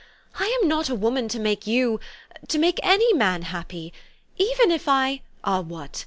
I am not a woman to make you to make any man happy. Even if I" "Ah, what?